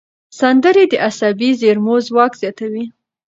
سندرې د عصبي زېرمو ځواک زیاتوي.